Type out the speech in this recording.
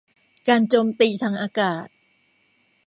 การโจมตีทางอากาศ